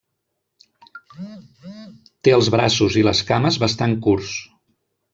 Té els braços i les cames bastant curts.